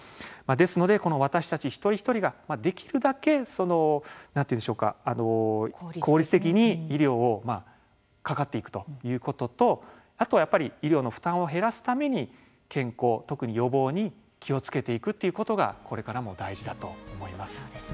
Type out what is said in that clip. ですので、私たち一人一人ができるだけ効率的に医療をかかっていくということとあとは医療の負担を減らすために健康、特に予防に気をつけていくということがこれからも大事だと思います。